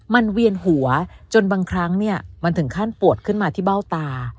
มันเวียนหัวจนบางครั้งเนี่ยมันถึงขั้นปวดขึ้นมาที่เบ้าตา